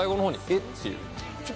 っていう。